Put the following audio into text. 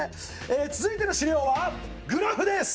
続いての資料はグラフです！